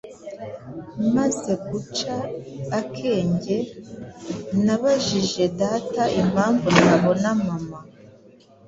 Maze guca akenge, nabajije data impamvu ntabona mama,